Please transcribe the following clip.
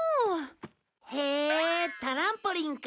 へえタランポリンか。